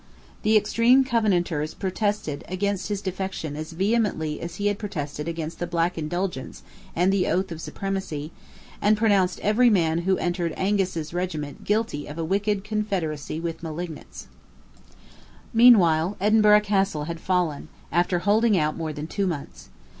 The extreme Covenanters protested against his defection as vehemently as he had protested against the Black Indulgence and the oath of supremacy, and pronounced every man who entered Angus's regiment guilty of a wicked confederacy with malignants, Meanwhile Edinburgh Castle had fallen, after holding out more than two months.